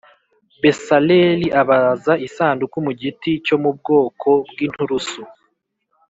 Besaleli abaza Isanduku mu giti cyo mu bwoko bw inturusu